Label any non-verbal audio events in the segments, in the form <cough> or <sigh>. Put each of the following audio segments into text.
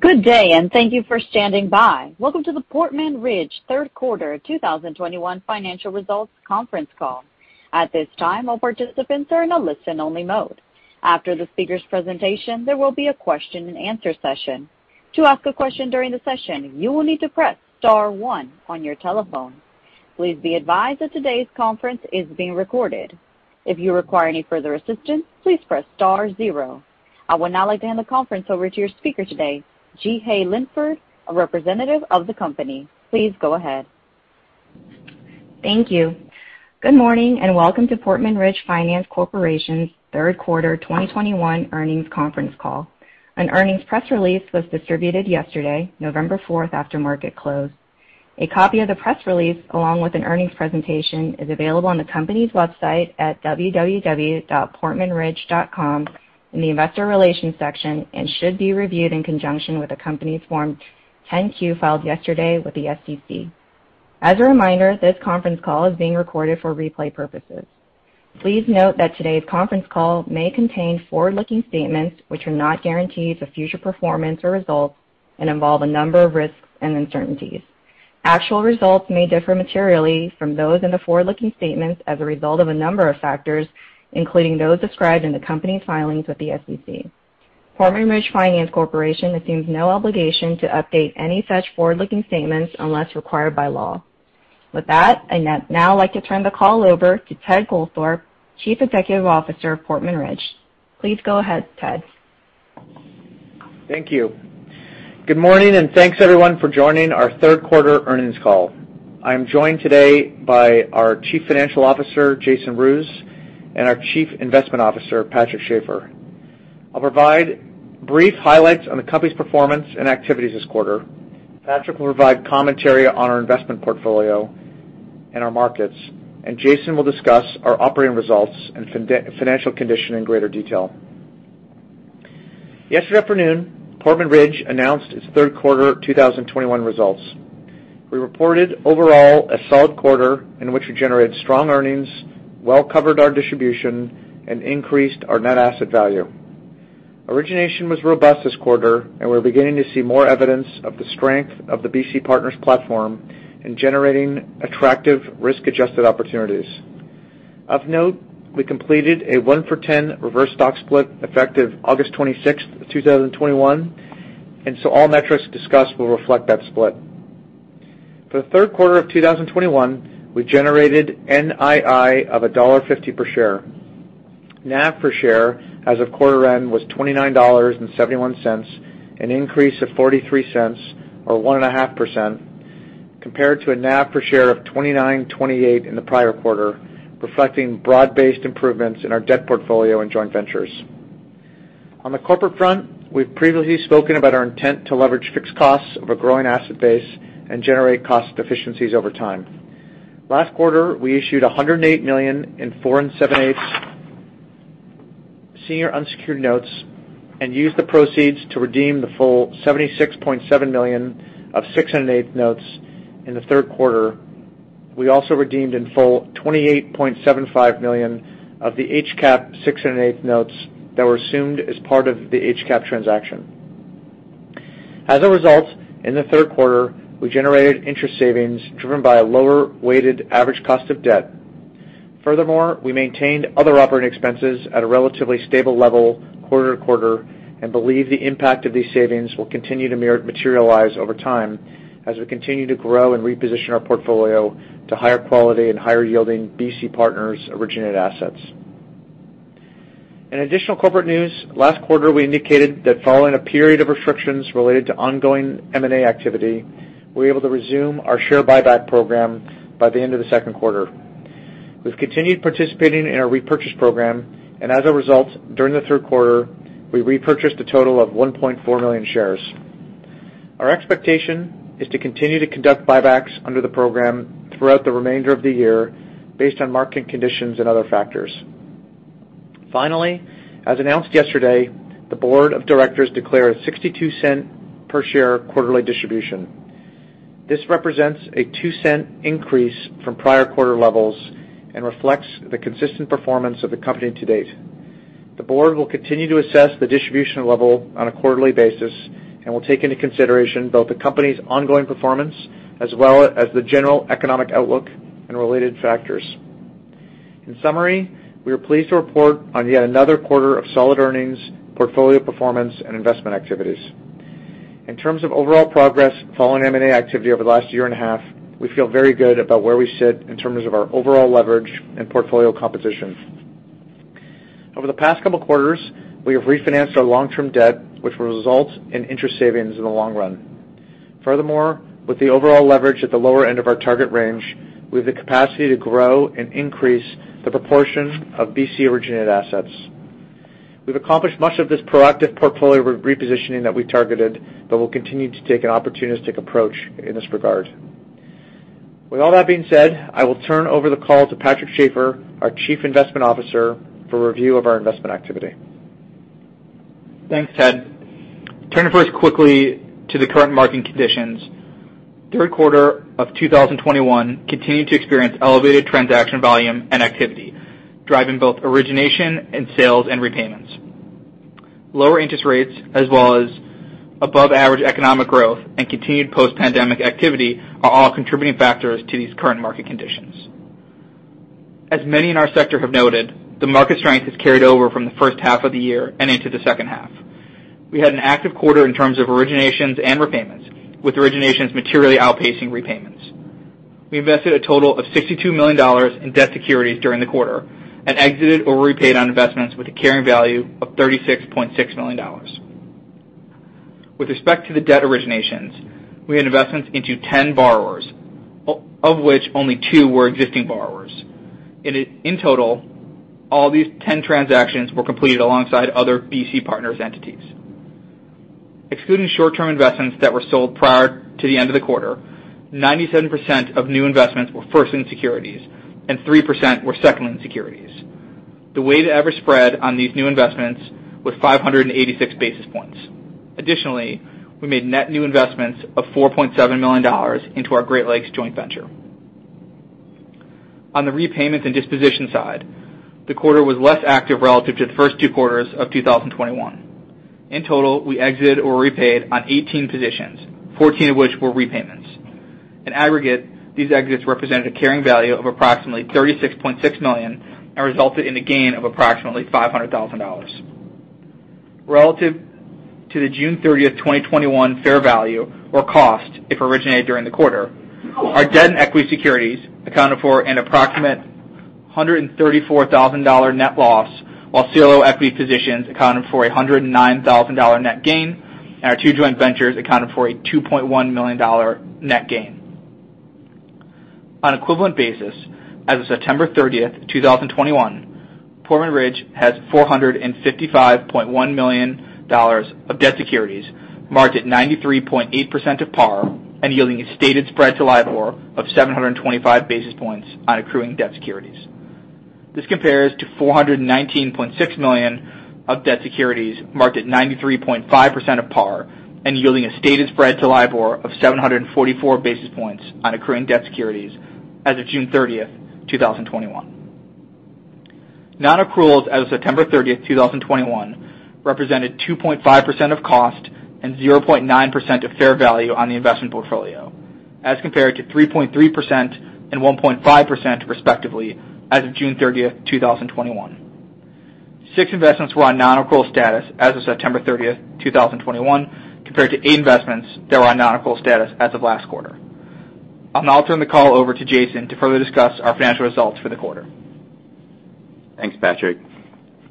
Good day, and thank you for standing by. Welcome to the Portman Ridge third quarter 2021 financial results conference call. At this time, all participants are in a listen-only mode. After the speaker's presentation, there will be a question-and-answer session. To ask a question during the session, you will need to press star one on your telephone. Please be advised that today's conference is being recorded. If you require any further assistance, please press star zero. I would now like to hand the conference over to your speaker today, Jeehae Linford, a representative of the company. Please go ahead. Thank you. Good morning, and welcome to Portman Ridge Finance Corporation's third quarter 2021 earnings conference call. An earnings press release was distributed yesterday, November 4th, after market close. A copy of the press release, along with an earnings presentation, is available on the company's website at www.portmanridge.com in the investor relations section and should be reviewed in conjunction with the company's Form 10-Q filed yesterday with the SEC. As a reminder, this conference call is being recorded for replay purposes. Please note that today's conference call may contain forward-looking statements which are not guarantees of future performance or results and involve a number of risks and uncertainties. Actual results may differ materially from those in the forward-looking statements as a result of a number of factors, including those described in the company's filings with the SEC. Portman Ridge Finance Corporation assumes no obligation to update any such forward-looking statements unless required by law. With that, I'd now like to turn the call over to Ted Goldthorpe, Chief Executive Officer of Portman Ridge. Please go ahead, Ted. Thank you. Good morning, and thanks, everyone, for joining our third quarter earnings call. I am joined today by our Chief Financial Officer, Jason Roos, and our Chief Investment Officer, Patrick Schafer. I'll provide brief highlights on the company's performance and activities this quarter. Patrick will provide commentary on our investment portfolio and our markets, and Jason will discuss our operating results and financial condition in greater detail. Yesterday afternoon, Portman Ridge announced its third quarter 2021 results. We reported overall a solid quarter in which we generated strong earnings, well covered our distribution, and increased our net asset value. Origination was robust this quarter, and we're beginning to see more evidence of the strength of the BC Partners platform in generating attractive risk-adjusted opportunities. Of note, we completed a one-for-ten reverse stock split effective August 26th, 2021, and so all metrics discussed will reflect that split. For the third quarter of 2021, we generated NII of $1.50 per share. NAV per share as of quarter-end was $29.71, an increase of $0.43 or 1.5% compared to a NAV per share of $29.28 in the prior quarter, reflecting broad-based improvements in our debt portfolio and joint ventures. On the corporate front, we've previously spoken about our intent to leverage fixed costs of a growing asset base and generate cost efficiencies over time. Last quarter, we issued $108 million in 4 7/8 senior unsecured notes and used the proceeds to redeem the full $76.7 million of 6 1/8 notes in the third quarter. We also redeemed in full $28.75 million of the HCAP 6 1/8 notes that were assumed as part of the HCAP transaction. As a result, in the third quarter, we generated interest savings driven by a lower-weighted average cost of debt. Furthermore, we maintained other operating expenses at a relatively stable level quarter-to-quarter and believe the impact of these savings will continue to materialize over time as we continue to grow and reposition our portfolio to higher quality and higher yielding BC Partners' originated assets. In additional corporate news, last quarter, we indicated that following a period of restrictions related to ongoing M&A activity, we were able to resume our share buyback program by the end of the second quarter. We've continued participating in our repurchase program, and as a result, during the third quarter, we repurchased a total of 1.4 million shares. Our expectation is to continue to conduct buybacks under the program throughout the remainder of the year based on market conditions and other factors. Finally, as announced yesterday, the board of directors declared a $0.62 per share quarterly distribution. This represents a $0.02 increase from prior quarter levels and reflects the consistent performance of the company to date. The board will continue to assess the distribution level on a quarterly basis and will take into consideration both the company's ongoing performance as well as the general economic outlook and related factors. In summary, we are pleased to report on yet another quarter of solid earnings, portfolio performance, and investment activities. In terms of overall progress following M&A activity over the last year and a half, we feel very good about where we sit in terms of our overall leverage and portfolio composition. Over the past couple of quarters, we have refinanced our long-term debt, which will result in interest savings in the long run. Furthermore, with the overall leverage at the lower end of our target range, we have the capacity to grow and increase the proportion of BC originated assets. We've accomplished much of this proactive portfolio repositioning that we targeted, but we'll continue to take an opportunistic approach in this regard. With all that being said, I will turn over the call to Patrick Schafer, our Chief Investment Officer, for review of our investment activity. Thanks, Ted. Turning first quickly to the current market conditions. Third quarter of 2021 continued to experience elevated transaction volume and activity driving both origination and sales and repayments. Lower interest rates as well as above-average economic growth and continued post-pandemic activity are all contributing factors to these current market conditions. As many in our sector have noted, the market strength has carried over from the first half of the year and into the second half. We had an active quarter in terms of originations and repayments, with originations materially outpacing repayments. We invested a total of $62 million in debt securities during the quarter and exited or repaid on investments with a carrying value of $36.6 million. With respect to the debt originations, we had investments into 10 borrowers, of which only two were existing borrowers. In total, all these 10 transactions were completed alongside other BC Partners entities. Excluding short-term investments that were sold prior to the end of the quarter, 97% of new investments were first-line securities and 3% were second-line securities. The weight of average spread on these new investments was 586 basis points. Additionally, we made net new investments of $4.7 million into our Great Lakes joint venture. On the repayments and disposition side, the quarter was less active relative to the first two quarters of 2021. In total, we exited or repaid on 18 positions, 14 of which were repayments. In aggregate, these exits represented a carrying value of approximately $36.6 million and resulted in a gain of approximately $500,000. Relative to the June 30th, 2021, fair value or cost if originated during the quarter, our debt and equity securities accounted for an approximate $134,000 net loss, while CLO equity positions accounted for a $109,000 net gain, and our two joint ventures accounted for a $2.1 million net gain. On an equivalent basis, as of September 30th, 2021, Portman Ridge has $455.1 million of debt securities marked at 93.8% of par and yielding a stated spread to LIBOR of 725 basis points on accruing debt securities. This compares to $419.6 million of debt securities marked at 93.5% of par and yielding a stated spread to LIBOR of 744 basis points on accruing debt securities as of June 30th, 2021. Non-accruals as of September 30th, 2021, represented 2.5% of cost and 0.9% of fair value on the investment portfolio, as compared to 3.3% and 1.5%, respectively, as of June 30th, 2021. Six investments were on non-accrual status as of September 30th, 2021, compared to eight investments that were on non-accrual status as of last quarter. I'll now turn the call over to Jason to further discuss our financial results for the quarter. Thanks, Patrick.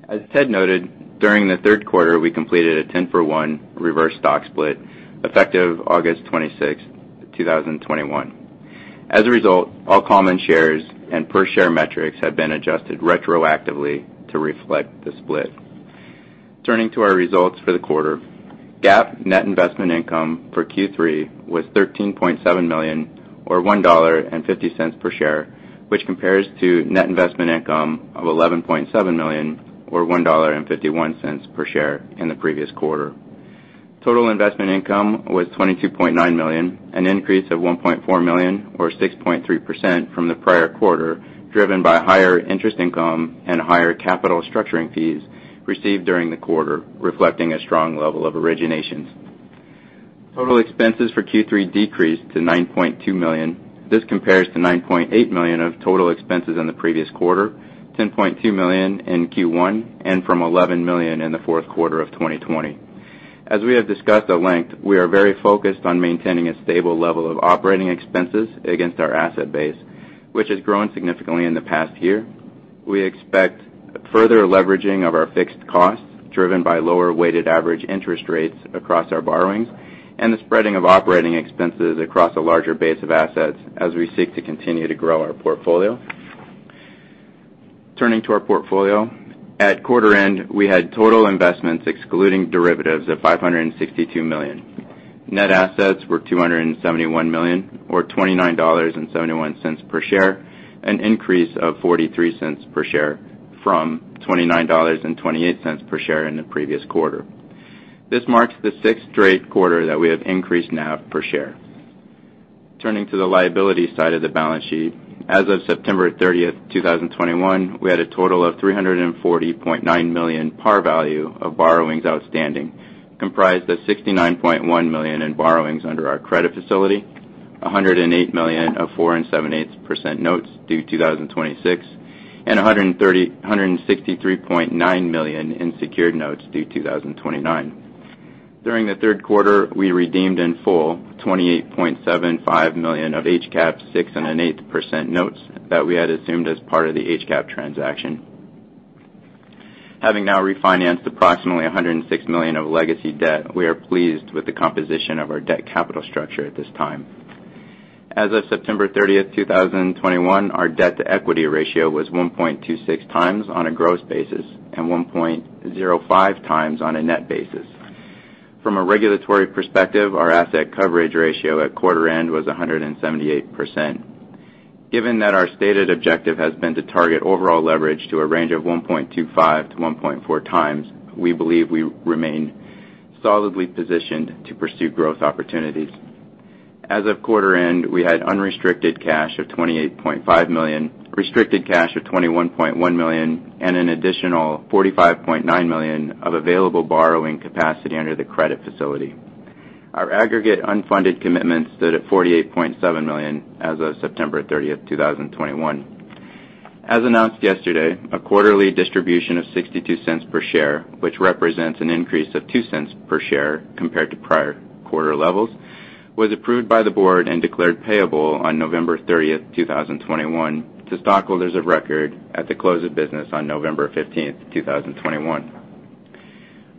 As Ted noted, during the third quarter, we completed a 10-for-1 reverse stock split effective August 26th, 2021. As a result, all common shares and per share metrics have been adjusted retroactively to reflect the split. Turning to our results for the quarter, GAAP net investment income for Q3 was $13.7 million or $1.50 per share, which compares to net investment income of $11.7 million or $1.51 per share in the previous quarter. Total investment income was $22.9 million, an increase of $1.4 million or 6.3% from the prior quarter, driven by higher interest income and higher capital structuring fees received during the quarter, reflecting a strong level of originations. Total expenses for Q3 decreased to $9.2 million. This compares to $9.8 million of total expenses in the previous quarter, $10.2 million in Q1, and from $11 million in the fourth quarter of 2020. As we have discussed at length, we are very focused on maintaining a stable level of operating expenses against our asset base, which has grown significantly in the past year. We expect further leveraging of our fixed costs driven by lower-weighted average interest rates across our borrowings and the spreading of operating expenses across a larger base of assets as we seek to continue to grow our portfolio. Turning to our portfolio, at quarter-end, we had total investments, excluding derivatives, of $562 million. Net assets were $271 million or $29.71 per share, an increase of $0.43 per share from $29.28 per share in the previous quarter. This marks the sixth straight quarter that we have increased NAV per share. Turning to the liability side of the balance sheet, as of September 30th, 2021, we had a total of $340.9 million par value of borrowings outstanding, comprised of $69.1 million in borrowings under our credit facility, $108 million of 4 7/8% notes due 2026, and $163.9 million in secured notes due 2029. During the third quarter, we redeemed in full 28.75 million of HCAP 6 1/8% notes that we had assumed as part of the HCAP transaction. Having now refinanced approximately $106 million of legacy debt, we are pleased with the composition of our debt capital structure at this time. As of September 30th, 2021, our debt-to-equity ratio was 1.26x on a gross basis and 1.05x on a net basis. From a regulatory perspective, our asset coverage ratio at quarter end was 178%. Given that our stated objective has been to target overall leverage to a range of 1.25x-1.4x, we believe we remain solidly positioned to pursue growth opportunities. As of quarter-end, we had unrestricted cash of $28.5 million, restricted cash of $21.1 million, and an additional $45.9 million of available borrowing capacity under the credit facility. Our aggregate unfunded commitments stood at $48.7 million as of September 30th, 2021. As announced yesterday, a quarterly distribution of $0.62 per share, which represents an increase of $0.02 per share compared to prior quarter levels, was approved by the board and declared payable on November 30th, 2021, to stockholders of record at the close of business on November 15th, 2021.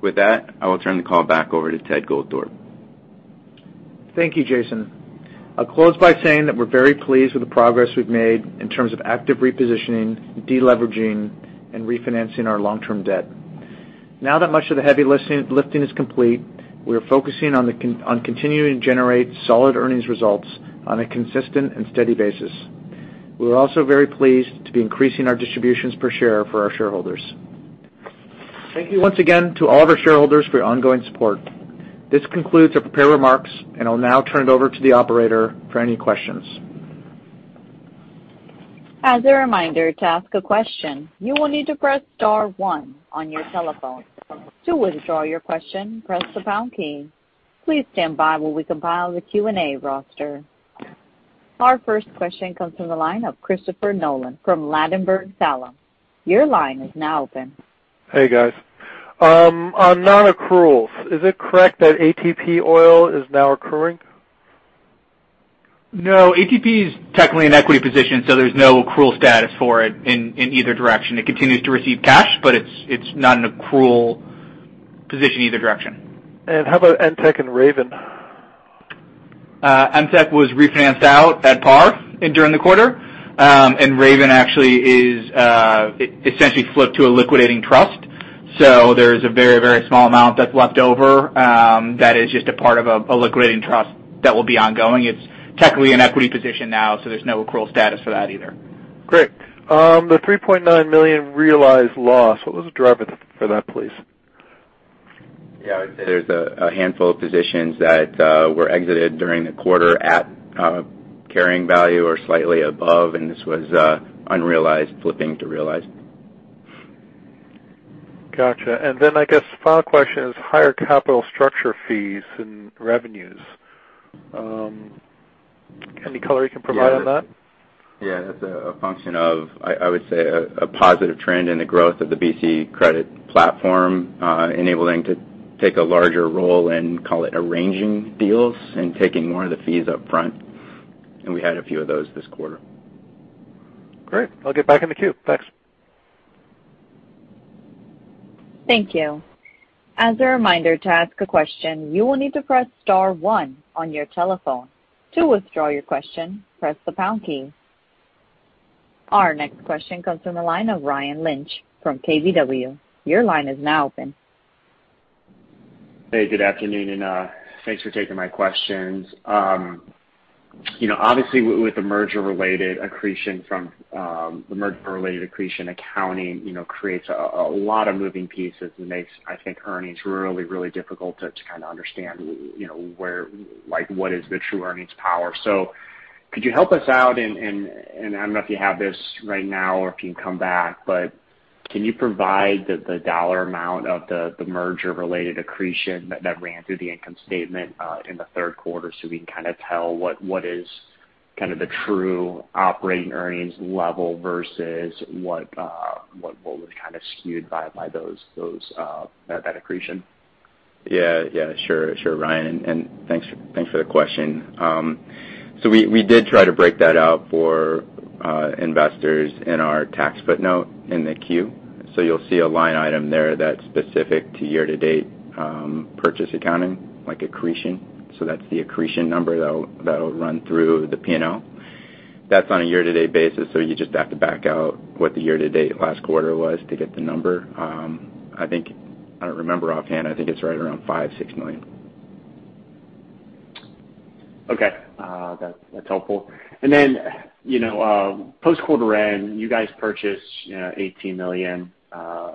With that, I will turn the call back over to Ted Goldthorpe. Thank you, Jason. I'll close by saying that we're very pleased with the progress we've made in terms of active repositioning, deleveraging, and refinancing our long-term debt. Now that much of the heavy lifting is complete, we are focusing on continuing to generate solid earnings results on a consistent and steady basis. We are also very pleased to be increasing our distributions per share for our shareholders. Thank you once again to all of our shareholders for your ongoing support. This concludes our prepared remarks, and I'll now turn it over to the operator for any questions. As a reminder to ask a question, you will need to press star one on your telephone. To withdraw your question, press the pound key. Please stand by while we compile the Q&A roster. Our first question comes from the line of Christopher Nolan from Ladenburg Thalmann. Your line is now open. Hey, guys. On non-accruals, is it correct that ATP Oil is now accruing? No. ATP is technically in equity position, so there's no accrual status for it in either direction. It continues to receive cash, but it's not an accrual position either direction. How about Emtek and Raven? Emtek was refinanced out at par during the quarter, and Raven actually is essentially flipped to a liquidating trust. So there is a very, very small amount that's left over that is just a part of a liquidating trust that will be ongoing. It's technically in equity position now, so there's no accrual status for that either. Great. The $3.9 million realized loss, what was the driver for that, please? Yeah. I would say there's a handful of positions that were exited during the quarter at carrying value or slightly above, and this was unrealized flipping to realized. Gotcha. And then I guess final question is higher capital structure fees and revenues. Any color you can provide on that? Yeah. That's a function of, I would say, a positive trend in the growth of the BC Credit platform, enabling to take a larger role in, call it, arranging deals and taking more of the fees upfront. And we had a few of those this quarter. Great. I'll get back in the queue. Thanks. Thank you. As a reminder to ask a question, you will need to press star one on your telephone. To withdraw your question, press the pound key. Our next question comes from the line of Ryan Lynch from KBW. Your line is now open. Hey, good afternoon, and thanks for taking my questions. Obviously, with the merger-related accretion from the merger-related accretion, accounting creates a lot of moving pieces and makes, I think, earnings really, really difficult to kind of understand what is the true earnings power. So could you help us out? And I don't know if you have this right now or if you can come back, but can you provide the dollar amount of the merger-related accretion that ran through the income statement in the third quarter so we can kind of tell what is kind of the true operating earnings level versus what was kind of skewed by that accretion? Yeah. Yeah. Sure. Sure, Ryan. And thanks for the question. So we did try to break that out for investors in our tax footnote in the Q. So you'll see a line item there that's specific to year-to-date purchase accounting, like accretion. So that's the accretion number that'll run through the P&L. That's on a year-to-date basis, so you just have to back out what the year-to-date last quarter was to get the number. I don't remember offhand. I think it's right around $56 million. Okay. That's helpful, and then post quarter-end, you guys purchased $18 million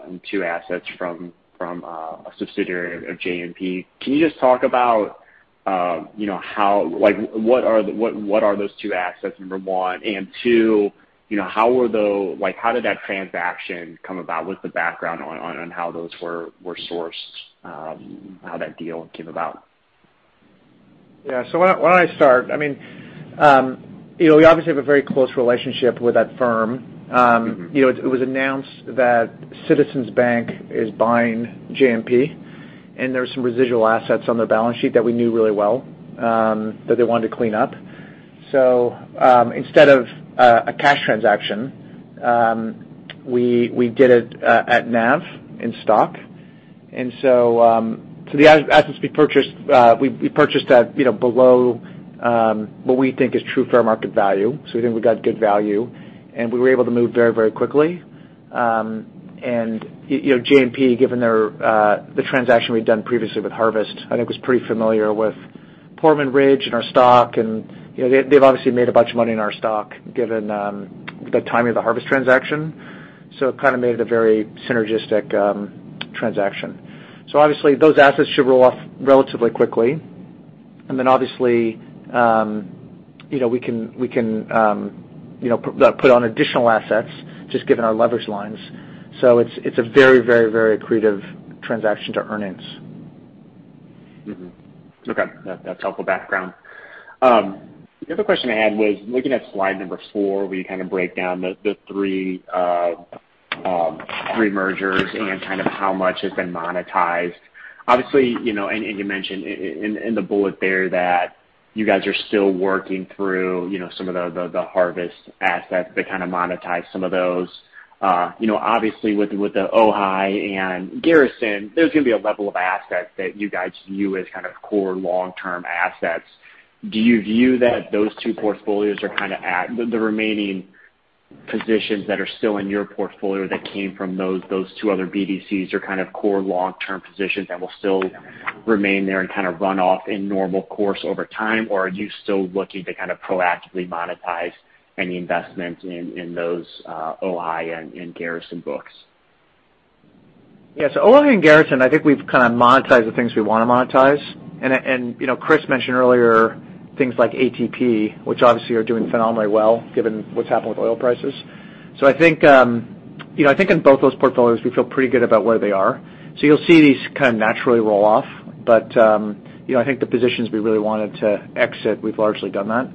in two assets from a subsidiary of JMP. Can you just talk about what are those two assets, number one? And two, how did that transaction come about? What's the background on how those were sourced, how that deal came about? Yeah. So why don't I start? I mean, we obviously have a very close relationship with that firm. It was announced that Citizens Bank is buying JMP, and there were some residual assets on their balance sheet that we knew really well that they wanted to clean up. So instead of a cash transaction, we did it at NAV in stock. And so the assets we purchased, we purchased at below what we think is true fair market value. So we think we got good value, and we were able to move very, very quickly. And JMP, given the transaction we'd done previously with Harvest, I think was pretty familiar with Portman Ridge and our stock. And they've obviously made a bunch of money in our stock given the timing of the Harvest transaction. So it kind of made it a very synergistic transaction. So obviously, those assets should roll off relatively quickly. And then obviously, we can put on additional assets just given our leverage lines. So it's a very, very, very accretive transaction to earnings. Okay. That's helpful background. The other question I had was looking at slide number four, where you kind of break down the three mergers and kind of how much has been monetized. Obviously, and you mentioned in the bullet there that you guys are still working through some of the Harvest assets to kind of monetize some of those. Obviously, with the OHAI and Garrison, there's going to be a level of assets that you guys view as kind of core long-term assets. Do you view that those two portfolios are kind of at the remaining positions that are still in your portfolio that came from those two other BDCs are kind of core long-term positions that will still remain there and kind of run off in normal course over time? Or are you still looking to kind of proactively monetize any investments in those OHAI and Garrison books? Yeah. So OHAI and Garrison, I think we've kind of monetized the things we want to monetize. And Chris mentioned earlier things like ATP, which obviously are doing phenomenally well given what's happened with oil prices. So I think in both those portfolios, we feel pretty good about where they are. So you'll see these kind of naturally roll off. But I think the positions we really wanted to exit, we've largely done that.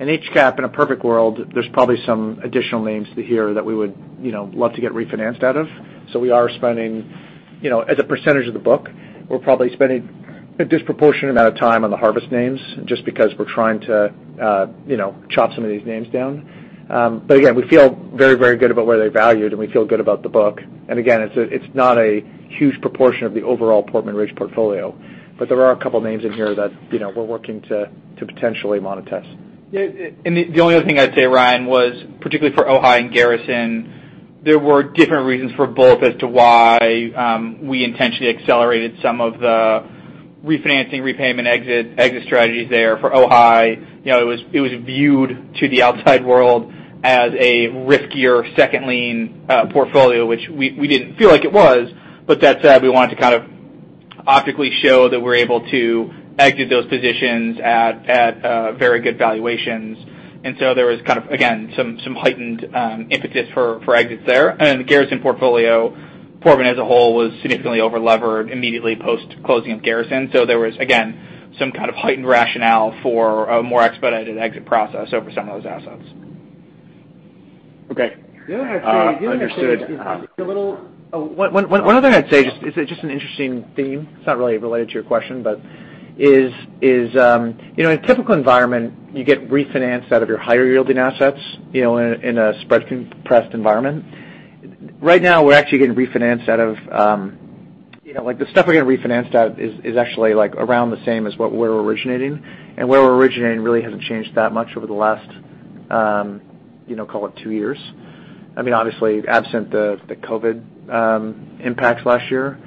And HCAP, in a perfect world, there's probably some additional names here that we would love to get refinanced out of. So we are spending, as a percentage of the book, we're probably spending a disproportionate amount of time on the Harvest names just because we're trying to chop some of these names down. But again, we feel very, very good about where they're valued, and we feel good about the book. And again, it's not a huge proportion of the overall Portman Ridge portfolio, but there are a couple of names in here that we're working to potentially monetize. Yeah. And the only other thing I'd say, Ryan, was particularly for OHAI and Garrison, there were different reasons for both as to why we intentionally accelerated some of the refinancing, repayment exit strategies there. For OHAI, it was viewed to the outside world as a riskier second-line portfolio, which we didn't feel like it was. But that said, we wanted to kind of optically show that we're able to exit those positions at very good valuations. And so there was kind of, again, some heightened impetus for exits there. And in the Garrison portfolio, Portman as a whole was significantly over-levered immediately post-closing of Garrison. So there was, again, some kind of heightened rationale for a more expedited exit process over some of those assets. Okay. Yeah. I see. Yeah. I see. One other thing I'd say, just, it's just an interesting theme. It's not really related to your question, but, in a typical environment, you get refinanced out of your higher-yielding assets in a spread-compressed environment. Right now, we're actually getting refinanced out of the stuff we're getting refinanced out of is actually around the same as where we're originating. And where we're originating really hasn't changed that much over the last, call it, two years. I mean, obviously, absent the COVID impacts last year.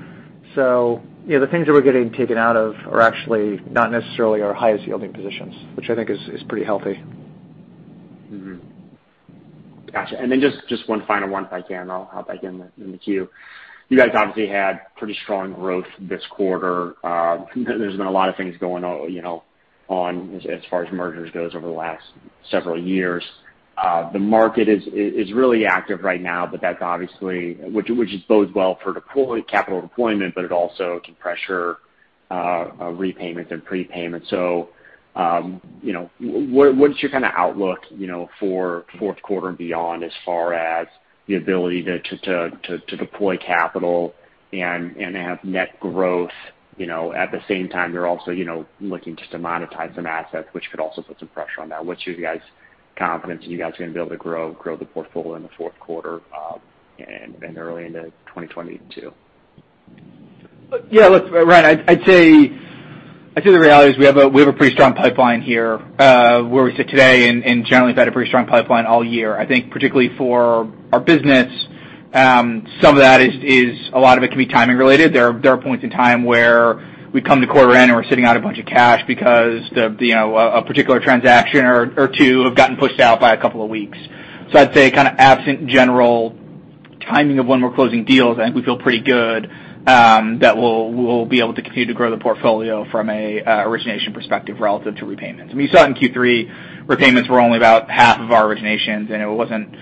So the things that we're getting taken out of are actually not necessarily our highest-yielding positions, which I think is pretty healthy. Gotcha. And then just one final one if I can. I'll hop back in the queue. You guys obviously had pretty strong growth this quarter. There's been a lot of things going on as far as mergers goes over the last several years. The market is really active right now, but that's obviously which is both well for capital deployment, but it also can pressure repayments and prepayments. So what's your kind of outlook for fourth quarter and beyond as far as the ability to deploy capital and have net growth? At the same time, you're also looking just to monetize some assets, which could also put some pressure on that. What's your guys' confidence in you guys going to be able to grow the portfolio in the fourth quarter and early into 2022? Yeah. Look, Ryan, I'd say the reality is we have a pretty strong pipeline here where we sit today, and generally, we've had a pretty strong pipeline all year. I think particularly for our business, some of that is a lot of it can be timing-related. There are points in time where we come to quarter-end and we're sitting out a bunch of cash because a particular transaction or two have gotten pushed out by a couple of weeks. So I'd say kind of absent general timing of when we're closing deals, I think we feel pretty good that we'll be able to continue to grow the portfolio from an origination perspective relative to repayments. I mean, you saw it in Q3, repayments were only about half of our originations, and it wasn't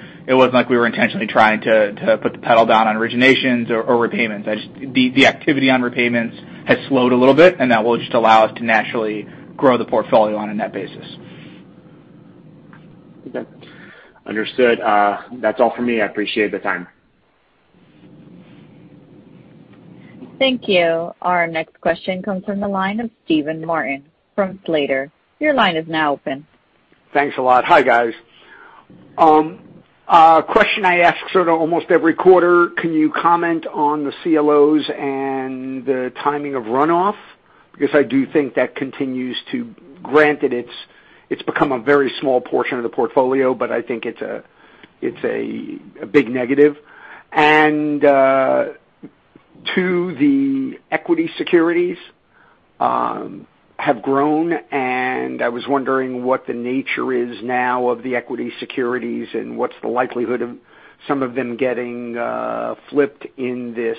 like we were intentionally trying to put the pedal down on originations or repayments. The activity on repayments has slowed a little bit, and that will just allow us to naturally grow the portfolio on a net basis. Okay. Understood. That's all for me. I appreciate the time. Thank you. Our next question comes from the line of Steven Martin from Slater. Your line is now open. Thanks a lot. Hi, guys. Question I ask sort of almost every quarter, can you comment on the CLOs and the timing of runoff? Because I do think that continues to grant that it's become a very small portion of the portfolio, but I think it's a big negative. And two, the equity securities have grown, and I was wondering what the nature is now of the equity securities and what's the likelihood of some of them getting flipped in this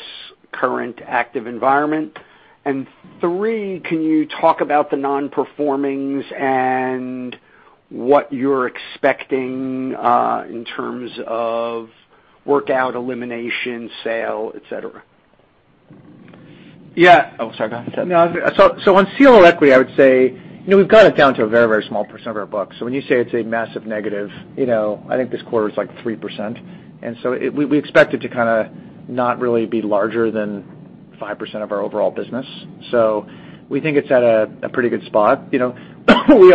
current active environment. And three, can you talk about the non-performings and what you're expecting in terms of workout elimination, sale, etc.? Yeah. Oh, sorry. Go ahead. No. So on CLO equity, I would say we've got it down to a very, very small percent of our books. So when you say it's a massive negative, I think this quarter is like 3%. And so we expect it to kind of not really be larger than 5% of our overall business. So we think it's at a pretty good spot. We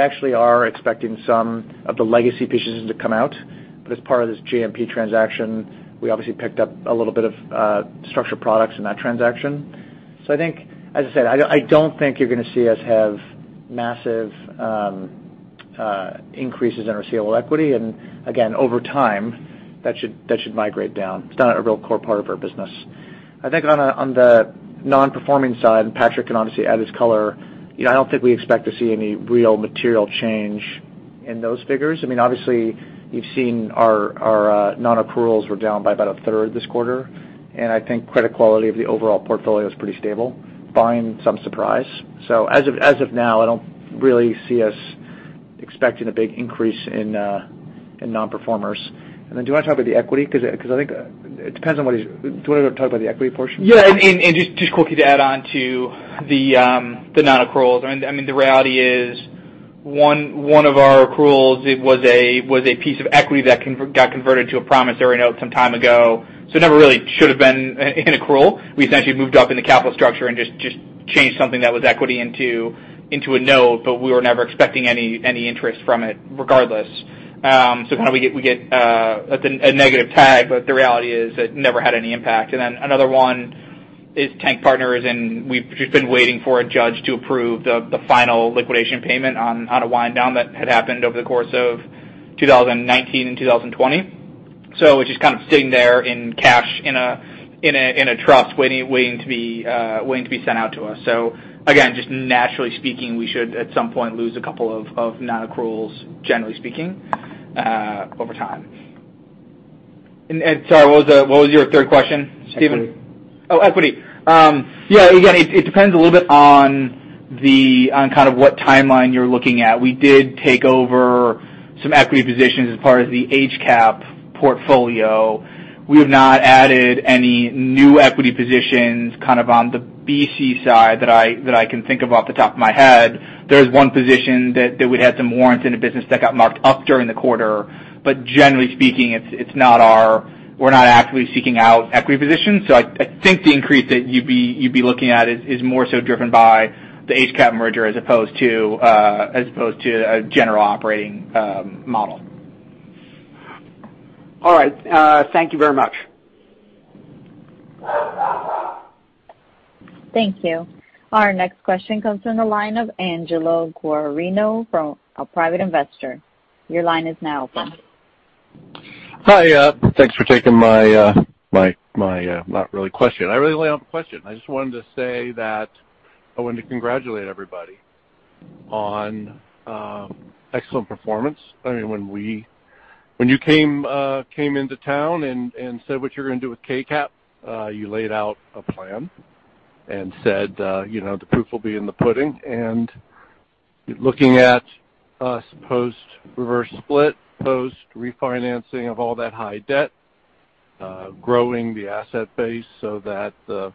actually are expecting some of the legacy positions to come out. But as part of this JMP transaction, we obviously picked up a little bit of structured products in that transaction. So I think, as I said, I don't think you're going to see us have massive increases in our CLO equity. And again, over time, that should migrate down. It's not a real core part of our business. I think on the non-performing side, and Patrick can obviously add his color. I don't think we expect to see any real material change in those figures. I mean, obviously, you've seen our non-accruals were down by about a 1/3 this quarter. And I think credit quality of the overall portfolio is pretty stable, barring some surprise. So as of now, I don't really see us expecting a big increase in non-performers. And then do you want to talk about the equity? Because I think it depends on what, do you want to talk about the equity portion? Yeah. And just quickly to add on to the non-accruals, I mean, the reality is one of our non-accruals was a piece of equity that got converted to a promissory note some time ago. So it never really should have been an accrual. We essentially moved up in the capital structure and just changed something that was equity into a note, but we were never expecting any interest from it regardless. So kind of we get a negative tag, but the reality is it never had any impact. And then another one is Tank Partners, and we've just been waiting for a judge to approve the final liquidation payment on a wind-down that had happened over the course of 2019 and 2020. So it's just kind of sitting there in cash in a trust waiting to be sent out to us. So again, just naturally speaking, we should at some point lose a couple of non-accruals, generally speaking, over time. And sorry, what was your third question, Steven? Equity. Oh, equity. Yeah. Again, it depends a little bit on kind of what timeline you're looking at. We did take over some equity positions as part of the HCAP portfolio. We have not added any new equity positions kind of on the BC side that I can think of off the top of my head. There is one position that we had some warrants in the business that got marked up during the quarter. But generally speaking, we're not actively seeking out equity positions. So I think the increase that you'd be looking at is more so driven by the HCAP merger as opposed to a general operating model. All right. Thank you very much. Thank you. Our next question comes from the line of Angelo Guarino from a private investor. Your line is now open. Hi. Thanks for taking my not really question. I really only have a question. I just wanted to say that I wanted to congratulate everybody on excellent performance. I mean, when you came into town and said what you're going to do with KCAP, you laid out a plan and said the proof will be in the pudding. Looking at us post-reverse split, post-refinancing of all that high debt, growing the asset base so that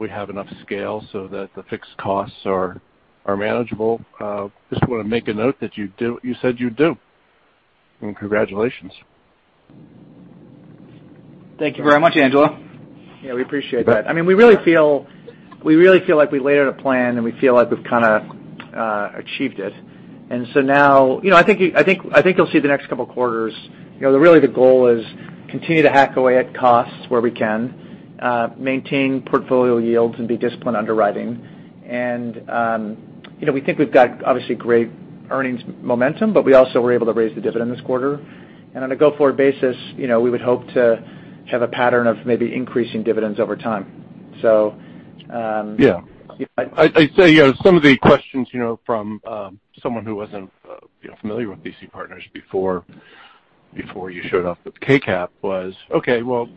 we have enough scale so that the fixed costs are manageable, I just want to make a note that you said you'd do. Congratulations. Thank you very much, Angelo. Yeah. We appreciate that. I mean, we really feel like we laid out a plan, and we feel like we've kind of achieved it, and so now I think you'll see the next couple of quarters. Really, the goal is to continue to hack away at costs where we can, maintain portfolio yields, and be disciplined underwriting, and we think we've got obviously great earnings momentum, but we also were able to raise the dividend this quarter, and on a go-forward basis, we would hope to have a pattern of maybe increasing dividends over time. So. Yeah. I'd say some of the questions from someone who wasn't familiar with BC Partners before you showed up with KCAP was, "Okay. Well,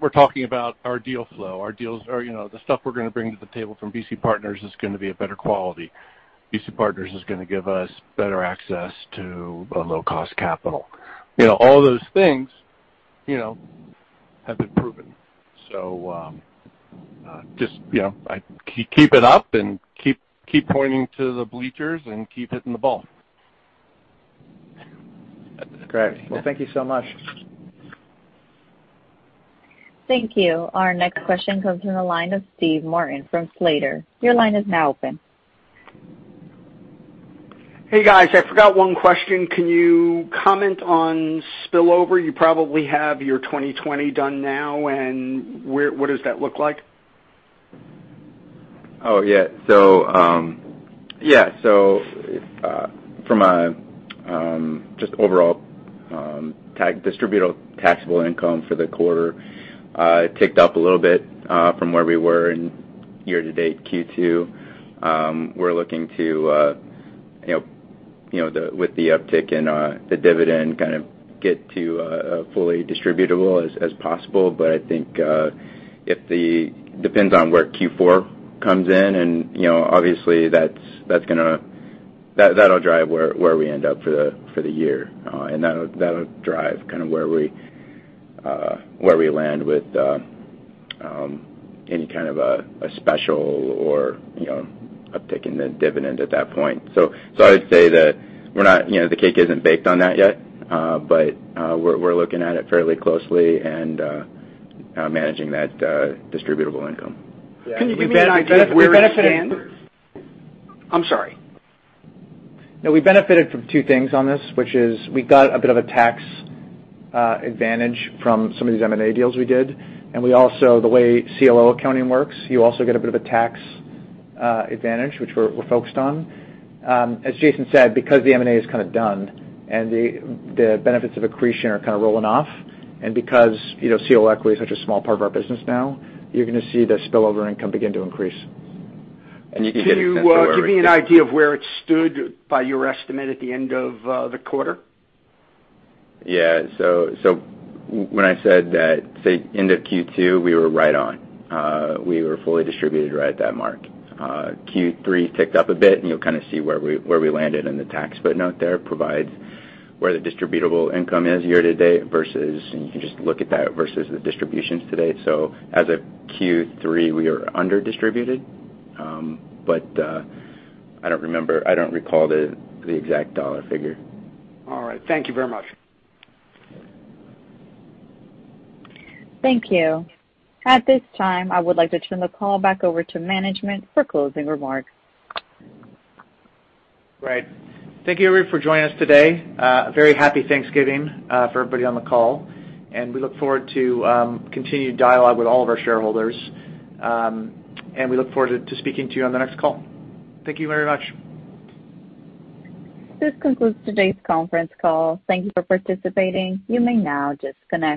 we're talking about our deal flow. Our deals are the stuff we're going to bring to the table from BC Partners is going to be of better quality. BC Partners is going to give us better access to a low-cost capital." All those things have been proven. So just keep it up and keep pointing to the bleachers and keep hitting the ball. Great. Well, thank you so much. Thank you. Our next question comes from the line of Steve Martin from Slater. Your line is now open. Hey, guys. I forgot one question. Can you comment on spillover? You probably have your 2020 done now, and what does that look like? So from a just overall distributable taxable income for the quarter, it ticked up a little bit from where we were in year-to-date Q2. We're looking to, with the uptick in the dividend, kind of get to a fully distributable as possible. But I think it depends on where Q4 comes in. And obviously, that'll drive where we end up for the year. And that'll drive kind of where we land with any kind of a special or uptick in the dividend at that point. So I would say that we're not, the cake isn't baked on that yet, but we're looking at it fairly closely and managing that distributable income. <crosstalk> I'm sorry. No, we benefited from two things on this, which is we got a bit of a tax advantage from some of these M&A deals we did. And the way CLO accounting works, you also get a bit of a tax advantage, which we're focused on. As Jason said, because the M&A is kind of done and the benefits of accretion are kind of rolling off, and because CLO equity is such a small part of our business now, you're going to see the spillover income begin to increase. Can you give me an idea of where it stood by your estimate at the end of the quarter? Yeah. So when I said that, say, end of Q2, we were right on. We were fully distributed right at that mark. Q3 ticked up a bit, and you'll kind of see where we landed in the tax footnote there provides where the distributable income is year-to-date versus, and you can just look at that versus the distributions to date. So as of Q3, we were under-distributed. But I don't remember. I don't recall the exact dollar figure. All right. Thank you very much. Thank you. At this time, I would like to turn the call back over to management for closing remarks. Great. Thank you, everyone, for joining us today. A very happy Thanksgiving for everybody on the call. And we look forward to continued dialogue with all of our shareholders. And we look forward to speaking to you on the next call. Thank you very much. This concludes today's conference call. Thank you for participating. You may now disconnect.